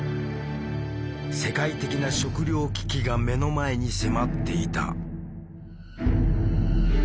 世界的な食糧危機が目の前に迫っていた。